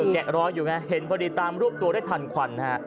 แกะรอยอยู่ไงเห็นพอดีตามรวบตัวได้ทันควันฮะ